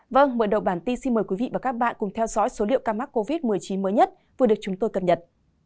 vâng mở đầu bản tin xin mời quý vị và các bạn cùng theo dõi số liệu ca mắc covid một mươi chín mới nhất vừa được chúng tôi cập nhật